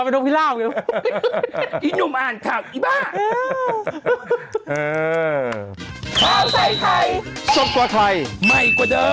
โปรดติดตามตอนต่อไป